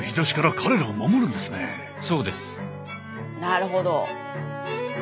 なるほど！